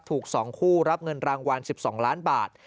ถูก๒คู่รับเงินรางวัล๑๒ล้านบาท